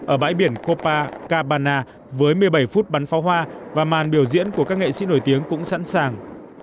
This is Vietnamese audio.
ở bãi biển kopa kabana với một mươi bảy phút bắn pháo hoa và màn biểu diễn của các nghệ sĩ nổi tiếng cũng sẵn sàng